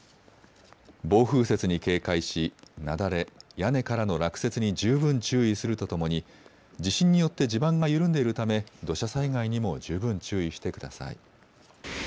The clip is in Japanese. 暴風雪に警戒し雪崩、屋根からの落雪に十分注意するとともに地震によって地盤が緩んでいるため土砂災害にも十分注意してください。